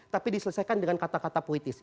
tapi diselesaikan dengan kata kata politis